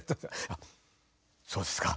あっそうですか。